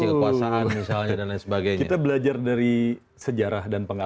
untuk lebih jelas dan lebih upright